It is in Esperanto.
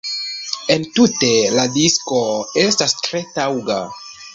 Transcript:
Entute, la disko estas tre taŭga.